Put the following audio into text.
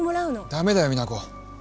ダメだよ実那子！